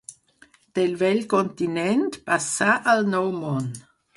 Del vell continent passà al Nou Món.